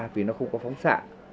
vì nó không có phóng sạ